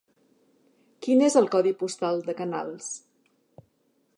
Quin és el codi postal de Canals?